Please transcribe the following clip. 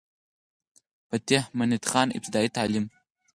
فتح مند خان ابتدائي تعليم